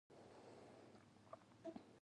زرمت ولسوالۍ څومره پراخه ده؟